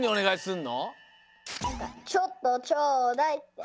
「ちょっとちょうだい」って。